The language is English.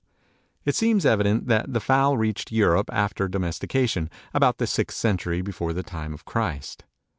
It seems evident that the fowl reached Europe, after domestication, about the sixth century before the time of Christ.